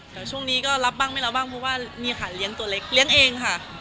แต่ช่วงนี้ก็รับบ้างไม่รับบ้างเพราะว่านี่ค่ะเลี้ยงตัวเล็กเลี้ยงเองค่ะ